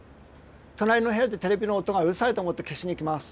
隣の部屋でテレビの音がうるさいと思って消しに行きます。